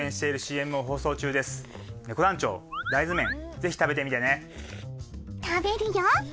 ぜひ食べてみてね！